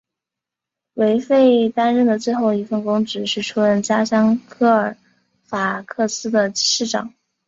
韦弗担任的最后一份公职是出任家乡科尔法克斯的市长。